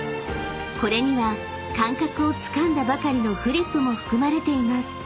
［これには感覚をつかんだばかりのフリップも含まれています］